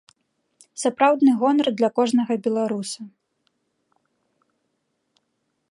Сапраўдны гонар для кожнага беларуса.